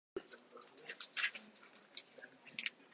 Ɓiyiiko yahi lesdi daayiindi waddi kurgoowo nanaaɗo.